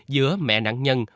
giữa mẹ nạn nhân